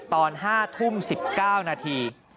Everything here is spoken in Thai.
ตอน๕ทุ่ม๑๙นาที